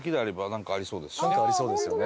なんかありそうですよね。